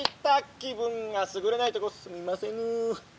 気分がすぐれないとこすみませぬ！」。